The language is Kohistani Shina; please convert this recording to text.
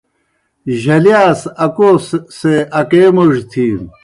جھلِیا سہ اکوسے اکے موڙیْ تِھینوْ۔